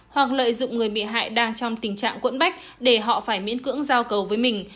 hoặc lợi dụng người bị hại đang trong tình trạng quẫn bách để họ phải miễn cưỡng giao cầu với mình